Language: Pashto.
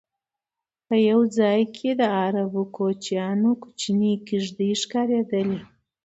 په یو ځای کې د عربو کوچیانو کوچنۍ کېږدی ښکارېدلې.